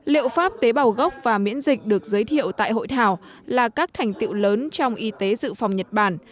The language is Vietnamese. liệu pháp tế bào gốc và miễn dịch được giới thiệu tại hội thảo là các thành tiệu lớn trong y tế dự phòng nhật bản